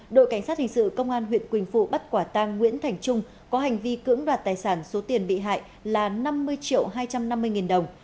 đội cảnh sát hình sự công an huyện quỳnh phụ bắt quả tang nguyễn thành trung có hành vi cưỡng đoạt tài sản số tiền bị hại là năm mươi triệu hai trăm năm mươi nghìn đồng